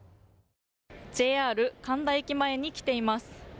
ＪＲ神田駅前に来ています。